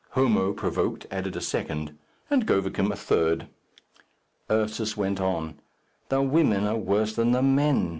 Homo, provoked, added a second, and Govicum a third. Ursus went on, "The women are worse than the men.